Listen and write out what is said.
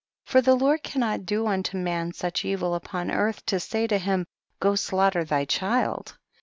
for the Lord cannot do unto man such evil upon earth to say to him, go slaughter thy child.